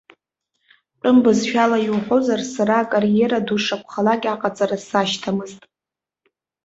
Тәым бызшәала иуҳәозар, сара акариера ду ишакәхалак аҟаҵара сашьҭамызт.